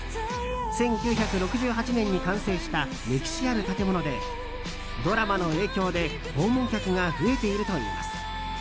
１９６８年に完成した歴史ある建物でドラマの影響で訪問客が増えているといいます。